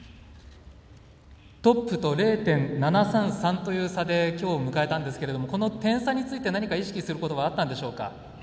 トップと０．７３３という差できょうを迎えたんですけれどもこの点差について何か意識することはあったんでしょうか？